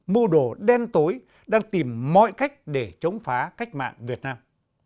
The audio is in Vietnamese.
mưu đồ đen tối đang tìm mọi cách để chống phá cách mạng việt nam